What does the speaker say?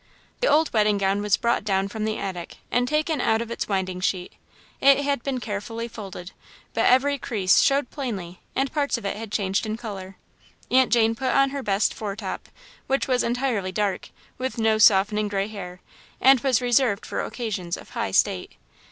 The old wedding gown was brought down from the attic and taken out of its winding sheet. It had been carefully folded, but every crease showed plainly and parts of it had changed in colour. Aunt Jane put on her best "foretop," which was entirely dark, with no softening grey hair, and was reserved for occasions of high state.